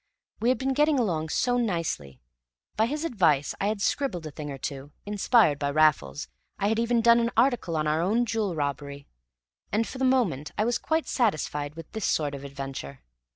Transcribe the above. We had been getting along so nicely: by his advice I had scribbled a thing or two; inspired by Raffles, I had even done an article on our own jewel robbery; and for the moment I was quite satisfied with this sort of adventure.